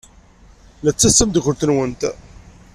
Nettat d tameddakelt-nwent.